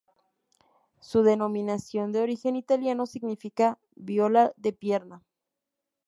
Su denominación, de origen italiano, significa "viola de pierna".